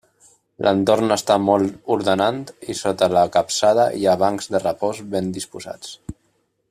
L'entorn està molt ordenant i sota la capçada hi ha bancs de repòs ben disposats.